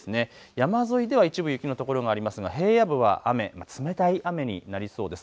山沿いでは一部雪の所がありますが平野部は雨、冷たい雨になりそうです。